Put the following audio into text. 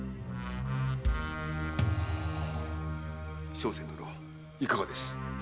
笙船殿いかがです？